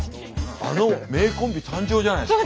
あの名コンビ誕生じゃないですか？